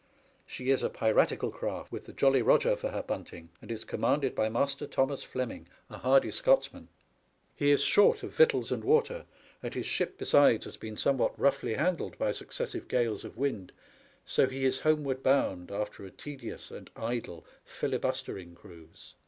She is a piratical craft, with the Jolly Eoger for her bunting, and is commanded by Master Thomas Fleming, a hardy Scotsman. He is short of victuals and water, and his ship besides has been somewhat roughly handled by successive gales of wind; so he is homeward bound, after a tedious and idle filibustering cruise.